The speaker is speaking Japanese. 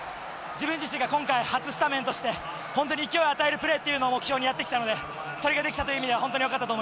自分自身が今回初スタメンとして本当に勢いを与えるプレーっていうのを目標にやってきたのでそれができたという意味では本当によかったと思います。